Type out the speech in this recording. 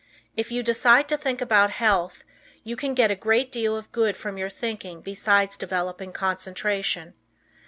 If you decide to think about health, you can get a great deal of good from your thinking besides developing concentration.